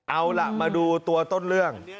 เอาล่ะมาดูตัวต้นเรื่อง